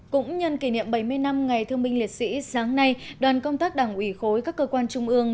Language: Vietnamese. cũng nhân kỷ niệm bảy mươi năm ngày thương minh liệt sĩ sáng nay đoàn công tác đảng ủy khối các cơ quan trung ương